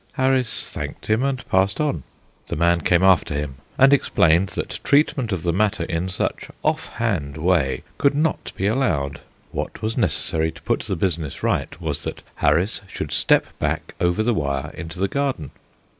Harris thanked him, and passed on. The man came after him, and explained that treatment of the matter in such off hand way could not be allowed; what was necessary to put the business right was that Harris should step back over the wire into the garden.